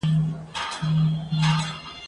زه پرون کالي مينځل،